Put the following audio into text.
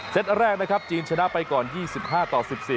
เซทเมื่อแรกจีนชนะไปก่อน๒๕ต่อ๑๔